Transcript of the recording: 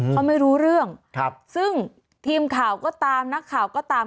เขาไม่รู้เรื่องครับซึ่งทีมข่าวก็ตามนักข่าวก็ตาม